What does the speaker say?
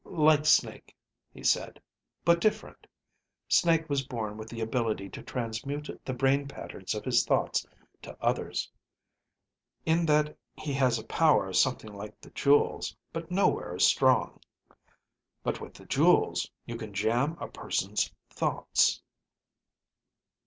"Like Snake," he said. "But different. Snake was born with the ability to transmute the brain patterns of his thoughts to others; in that he has a power something like the jewels, but nowhere as strong. But with the jewels, you can jam a person's thoughts...."